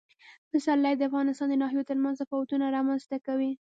پسرلی د افغانستان د ناحیو ترمنځ تفاوتونه رامنځ ته کوي.